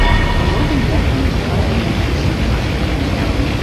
Валодаў яркімі вакальнымі і акцёрскімі данымі.